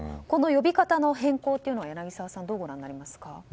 この呼び方の変更は柳澤さん、どうご覧になりますか。